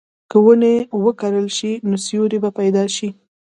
که ونې وکرل شي، نو سیوری به پیدا شي.